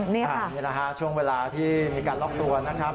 เนี่ยค่ะนี่นะคะช่วงเวลาที่มีการล็อคตัวนะครับ